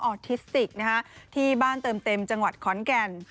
ทิสติกที่บ้านเติมเต็มจังหวัดขอนแก่น